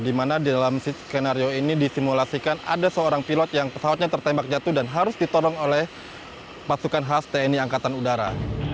di mana di dalam skenario ini disimulasikan ada seorang pilot yang pesawatnya tertembak jatuh dan harus ditolong oleh pasukan khas tni angkatan udara